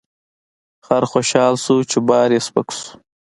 خر خوشحاله شو چې بار یې سپک شو.